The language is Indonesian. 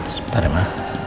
sebentar ya ma